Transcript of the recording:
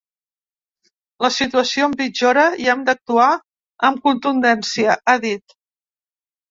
La situació empitjora i hem d’actuar amb contundència, ha dit.